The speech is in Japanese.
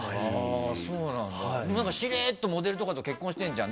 しれっとモデルとかと結婚してるじゃん。